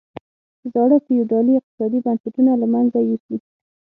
زاړه فیوډالي اقتصادي بنسټونه له منځه یوسي.